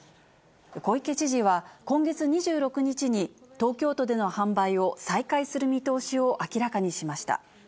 小池知事は、今月２６日に東京都での販売を再開する見通しを明らかにしました。